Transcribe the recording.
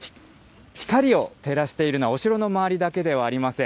光を照らしているのはお城の周りだけではありません。